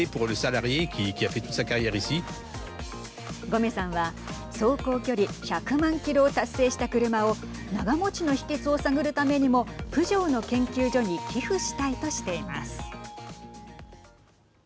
ゴメさんは走行距離１００万キロを達成した車を長持ちの秘けつを探るためにもプジョーの研究所に寄付したいとしています。